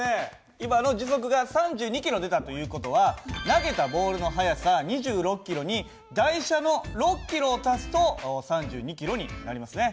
今の時速が３２キロ出たという事は投げたボールの速さ２６キロに台車の６キロを足すと３２キロになりますね。